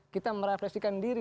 kita merefeksikan diri